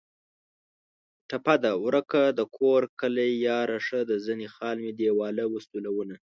ټپه ده: ورکه دکور کلي یاري شه د زنې خال مې دېواله و سولونه